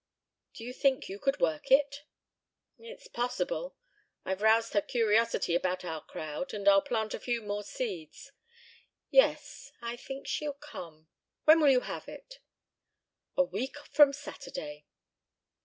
Do you think you could work it?" "It's possible. I've roused her curiosity about our crowd and I'll plant a few more seeds. Yes, I think she'll come. When will you have it?" "A week from Saturday."